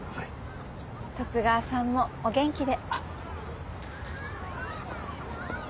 十津川さんもお元気で。